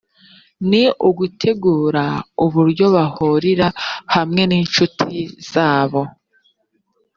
ni ugutegura uburyo bahurira hamwe n incuti zabo